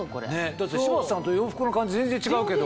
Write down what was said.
だって柴田さんと洋服の感じ全然違うけど。